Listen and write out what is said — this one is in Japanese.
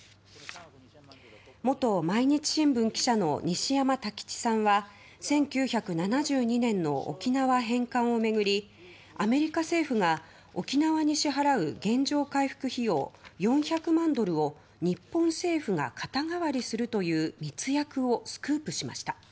元毎日新聞記者の西山太吉さんは１９７２年の沖縄返還を巡りアメリカ政府が沖縄に支払う原状回復費用４００万ドルを日本政府が肩代わりするという密約をスクープしました。